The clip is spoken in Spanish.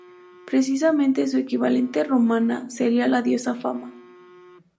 Precisamente su equivalente romana sería la diosa Fama.